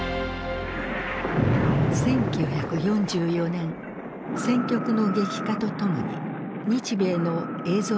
１９４４年戦局の激化とともに日米の映像